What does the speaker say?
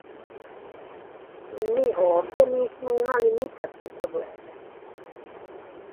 Ми овде нисмо имали никакве проблеме.